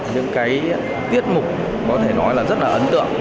những cái tiết mục có thể nói là rất là ấn tượng